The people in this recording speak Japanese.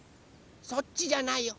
そっちじゃないよ。